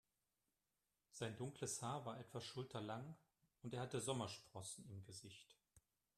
Sein dunkles Haar war etwa schulterlang und er hatte Sommersprossen im Gesicht.